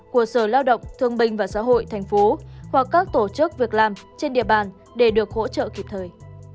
của sở lao động thương bình và xã hội tp hcm hoặc các tổ chức việc làm trên địa bàn để được hỗ trợ kịp thời